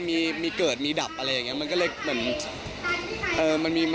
มีมีเกิดมีดับอะไรอย่างนี้มันก็เลยเหมือน